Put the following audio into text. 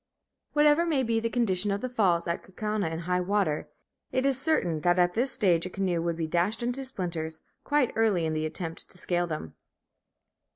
Whatever may be the condition of the falls at Kaukauna in high water, it is certain that at this stage a canoe would be dashed to splinters quite early in the attempt to scale them.